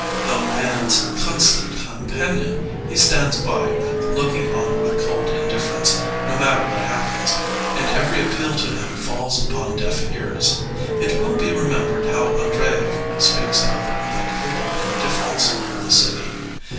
Though Man's con. stant companion," he stands by, looking on with cold indifference, no matter what happens, and every appeal to him falls upon deaf ears. It will be remembered how Andreyev speaks of the cruel indifference '' of the city.